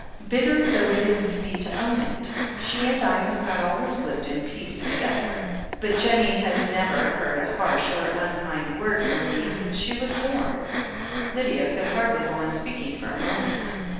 Bitter though it is to me to own it, she and I have not always lived at peace together — but Jennie has never heard a harsh or unkind word from me since she was bom." Lydia could hardly go on speaking for a moment.